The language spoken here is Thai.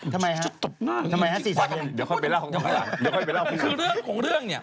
เดี๋ยวค่อยไปเล่า